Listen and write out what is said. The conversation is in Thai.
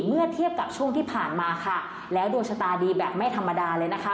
เมื่อเทียบกับช่วงที่ผ่านมาค่ะแล้วดวงชะตาดีแบบไม่ธรรมดาเลยนะคะ